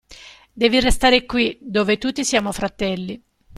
Devi restare qui, dove tutti siamo fratelli.